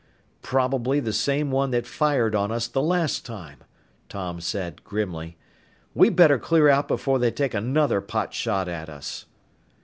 "Probably the same one that fired on us the last time," Tom said grimly. "We'd better clear out before they take another pot shot at us."